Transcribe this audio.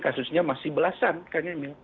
kasusnya masih belasan kang emil